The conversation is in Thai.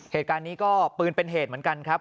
เหตุการณ์นี้ก็ปืนเป็นเหตุเหมือนกันครับ